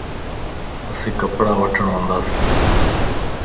اسين ڪپڙا وٺڻ ونداسين